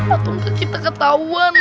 atau kita ketahuan